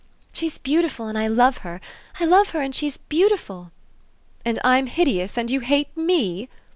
"She's beautiful and I love her! I love her and she's beautiful!" "And I'm hideous and you hate ME?"